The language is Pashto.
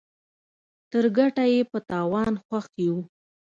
تر ګټه ئې په تاوان خوښ يو.